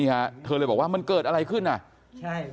พี่สาวของเธอบอกว่ามันเกิดอะไรขึ้นกับพี่สาวของเธอ